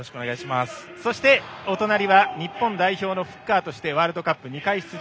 そして、お隣は日本代表のフッカーとしてワールドカップ２回出場。